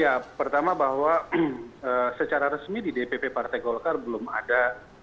ya pertama bahwa secara resmi di dpp partai golkar belum ada